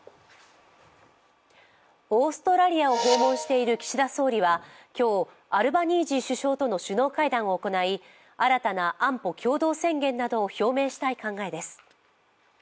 オーストラリアを訪問している岸田総理は今日、アルバニージー首相との首脳会談を行い新たな安保共同宣言などを表明したい考えです。